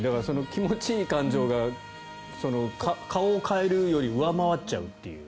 気持ちいい感情が顔を変えるより上回っちゃうっていう。